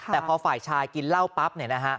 แต่พอฝ่ายชายกินเหล้าปั๊บเนี่ยนะฮะ